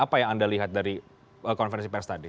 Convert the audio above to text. apa yang anda lihat dari konferensi pers tadi